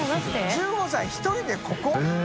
１５歳１人でここ？